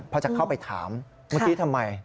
เพราะจะเข้าไปถามไว้วิติทำไม